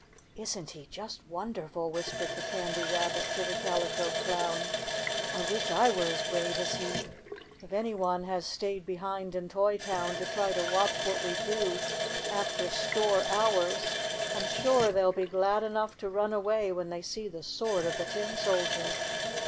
" Isn't he just wonderful!" whispered the Candy Rabbit to the Calico Clown. "I wish I were as brave as he! If any one has stayed behind in Toy Town to try to watch what we do of ter store hours, I'm sure they'll be glad enough to run away when they see the sword of the Tin Sol dier."